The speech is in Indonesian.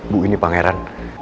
bu ini pangeran